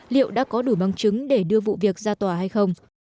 liệu đã có đủ bằng chứng để đưa vụ việc ra tòa hay không